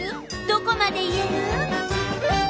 どこまでいえる？